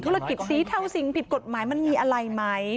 สีเทาสิ่งผิดกฎหมายมันมีอะไรไหม